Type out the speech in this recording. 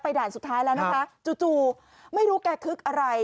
ด่านสุดท้ายแล้วนะคะจู่ไม่รู้แกคึกอะไร